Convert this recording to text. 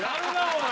おい。